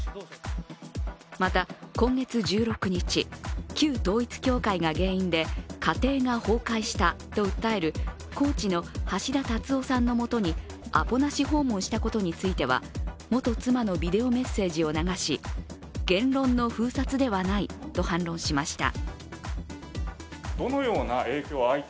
また今月１６日、旧統一教会が原因で家庭が崩壊したと訴える高知の橋田達夫さんの元にアポなし訪問したことについては元妻のビデオメッセージを流し言論の封殺ではないと反論しました。